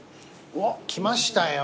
おっ来ましたよ。